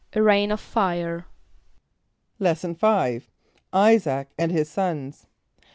=A rain of fire.= Lesson V. Isaac and his Sons.